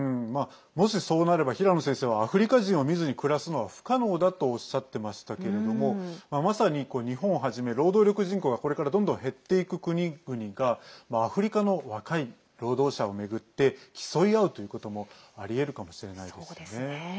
もし、そうなれば平野先生はアフリカ人を見ずに暮らすのは不可能だとおっしゃってましたけれどもまさに、日本をはじめ労働力人口がこれから、どんどん減っていく国々がアフリカの若い労働者を巡って競い合うということもありえるかもしれないですね。